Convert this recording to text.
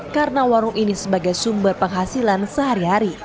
karena warung ini sebagai sumber penghasilan sehari hari